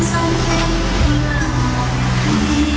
สุดท้ายสุดท้ายสุดท้าย